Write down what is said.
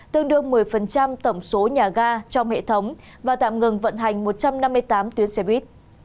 tương đương một mươi tổng số nhà ga trong hệ thống và tạm ngừng vận hành một trăm năm mươi tám tuyến xe buýt